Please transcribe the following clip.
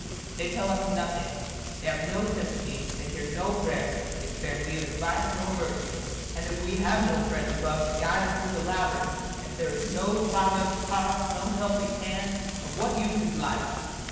They tell us nothing; they have no sympathy; they hear no prayer; they spare neither vice nor virtue. And if we have no friend above to guide us through the labyrinth, if there is no Father's heart, no helping hand, of what use is life?